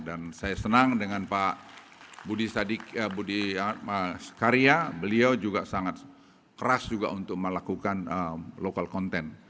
dan saya senang dengan pak budi karya beliau juga sangat keras untuk melakukan lokal konten